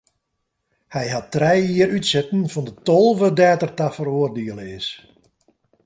Hy hat trije jier útsitten fan de tolve dêr't er ta feroardiele is.